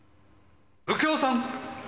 右京さん！